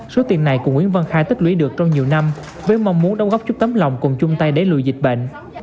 số tiền này cụ nguyễn văn khai tích lưỡi được trong nhiều năm với mong muốn đồng góp chút tấm lòng cùng chung tay đẩy lùi dịch bệnh